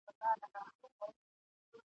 د هرات لرغونی ولایت یې ..